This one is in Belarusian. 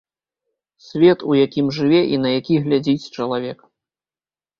Свет, у якім жыве і на які глядзіць чалавек!